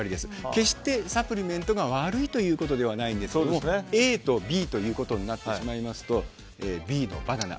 決してサプリメントが悪いということではないんですけどＡとＢということになってしまいますとＢのバナナ。